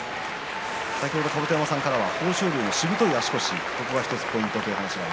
先ほど甲山さんからは豊昇龍しぶとい足腰が１つポイントだと。